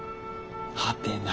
はてな。